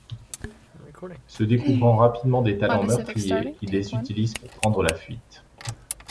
Se découvrant rapidement des talents meurtriers, il les utilise pour prendre la fuite.